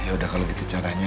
ya udah kalau gitu caranya